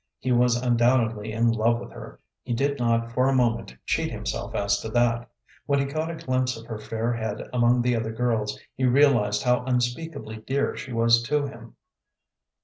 He was undoubtedly in love with her; he did not for a moment cheat himself as to that. When he caught a glimpse of her fair head among the other girls, he realized how unspeakably dear she was to him.